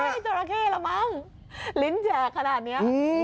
ไม่ใช่จราแค่หรอมั้งลิ้นแจกขนาดนี้